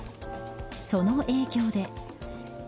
その影響で。